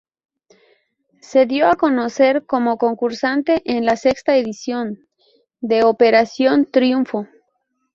Se dio a conocer como concursante en la sexta edición de "Operación triunfo".